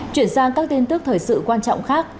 chuyển sang các tin tức thời sự quan trọng khác